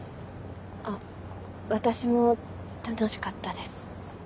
あっ私も楽しかったです。